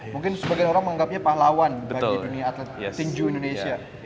mungkin sebagian orang menganggapnya pahlawan bagi dunia atlet tinju indonesia